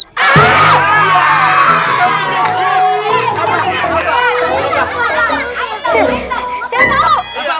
jangan lupa woo hee